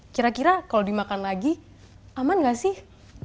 kira kira kalau dimakan lagi aman nggak sih